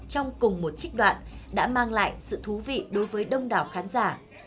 trong cùng một trích đoạn đã mang lại sự thú vị đối với đông đảo khán giả